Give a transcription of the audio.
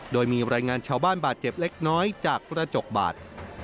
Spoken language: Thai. โดยมีรายงานชาวบ้านบาดเจ็บเล็กน้อยจากกระจกบาด